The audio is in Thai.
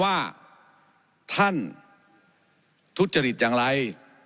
ว่าท่านทุจริตอย่างไร